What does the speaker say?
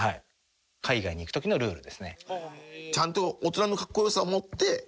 海外に行く時のルールですね。